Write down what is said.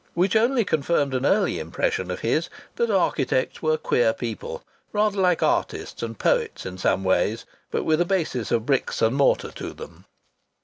Which only confirmed an early impression of his that architects were queer people rather like artists and poets in some ways, but with a basis of bricks and mortar to them.